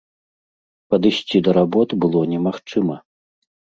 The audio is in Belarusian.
Падысці да работ было немагчыма.